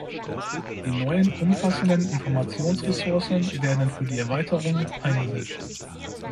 Die neuen umfassenden Informationsressourcen werden für die Erweiterung eingesetzt.